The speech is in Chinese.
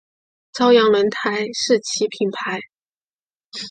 朝阳轮胎是其品牌。